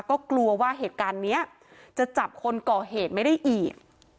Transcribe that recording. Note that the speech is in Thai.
ก็กลัวว่าเหตุการณ์นี้จะจับคนก่อเหตุไม่ได้อีก